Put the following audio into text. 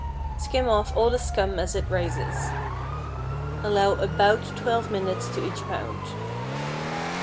Skim off all the scum as it rises. Allow about twelve minutes to each pound.